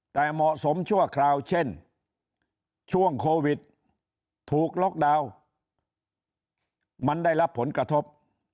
แต่เหมาะสมชั่วคราวเช่นช่วงโควิดถูกล็อกดาวน์มันได้รับผลกระทบ